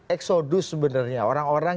eksodus sebenarnya orang orang